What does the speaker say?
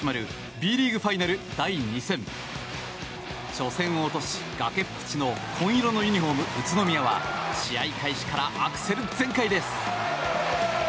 初戦を落とし崖っぷちの紺色のユニホーム宇都宮は試合開始からアクセル全開です。